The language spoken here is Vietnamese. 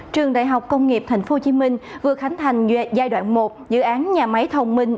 trường đại học công nghiệp tp hcm vừa khánh thành giai đoạn một dự án nhà máy thông minh